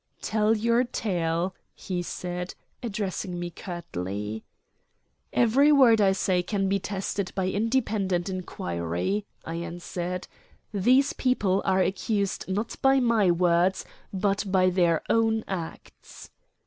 "Tell your tale," he said, addressing me curtly. "Every word I say can be tested by independent inquiry," I answered. "These people are accused not by my words, but by their own acts."